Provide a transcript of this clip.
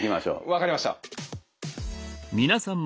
分かりました。